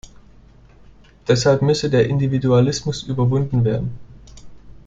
Deshalb müsse der Individualismus überwunden werden.